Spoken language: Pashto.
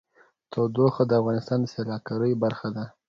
تودوخه د افغانستان د سیلګرۍ برخه ده.